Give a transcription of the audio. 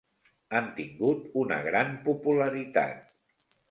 Han tingut una gran popularitat.